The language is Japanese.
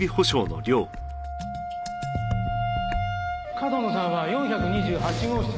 上遠野さんは４２８号室です。